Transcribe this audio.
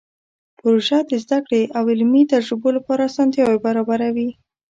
پروژه د زده کړې او علمي تجربو لپاره اسانتیاوې برابروي.